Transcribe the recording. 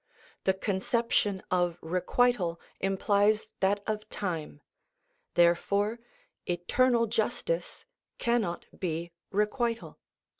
The conception of requital implies that of time; therefore eternal justice cannot be requital.